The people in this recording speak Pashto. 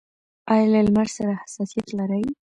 ایا له لمر سره حساسیت لرئ؟